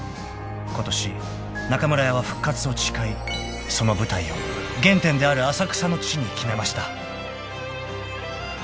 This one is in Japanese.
［ことし中村屋は復活を誓いその舞台を原点である浅草の地に決めました］